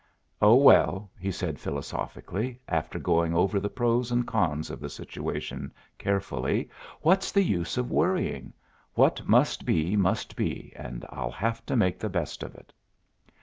"Oh, well," he said philosophically, after going over the pros and cons of the situation carefully, "what's the use of worrying? What must be must be, and I'll have to make the best of it."